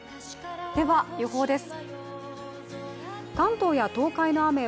では予報です。